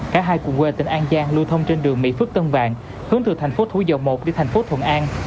cả hai cùng quê tỉnh an giang lưu thông trên đường mỹ phước tân vàng hướng từ thành phố thủ dầu một đi thành phố thuận an